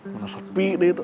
mana sepi dia itu